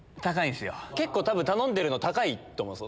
結構頼んでるの高いと思うんすよ